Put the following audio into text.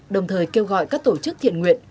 đồng thời kêu gọi các tổ chức thiện nguyện